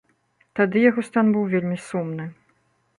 Тады яго стан быў вельмі сумны.